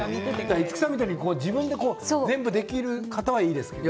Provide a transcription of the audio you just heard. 五木さんみたいに自分で全部できる方はいいですけど。